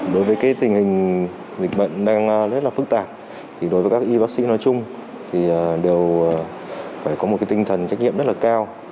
đối với tình hình dịch bệnh đang rất là phức tạp thì đối với các y bác sĩ nói chung thì đều phải có một tinh thần trách nhiệm rất là cao